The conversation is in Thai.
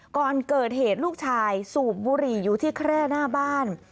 ก่อนเกิดเหตุลูกชายสูบบุหรี่อยู่ที่แคร่หน้าบ้าน